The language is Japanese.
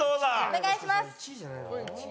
お願いします！